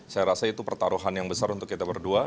saya rasa itu pertaruhan yang besar untuk kita berdua